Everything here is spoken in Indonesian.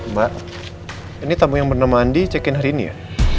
mbak ini tamu yang bernama andi check in hari ini ya